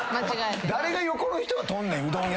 誰が横の人が取んねん。